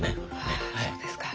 あそうですか。